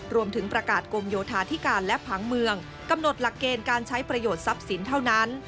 รวมถึงประกาศกรมโยธาธิการและผังเมืองกำหนดหลักเกณฑ์การใช้ประโยชน์ทรัพย์สินเท่านั้น